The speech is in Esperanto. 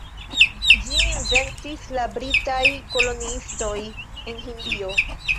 Ĝin inventis la britaj koloniistoj en Hindio.